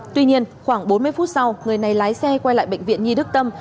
tuy nhiên khoảng bốn mươi phút sau người này lái xe quay lại bệnh viện nhi đức tâm